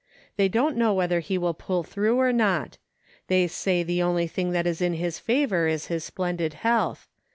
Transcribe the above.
They don't know whether he will pull through or not. They say the only thing that is in his favor is his splendid health.